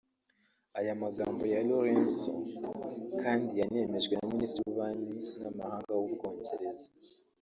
Aya magambo ya Laurenco kandi yanemejwe na Minisitiri w’Ububanyi n’Amahanga w’u Bwongereza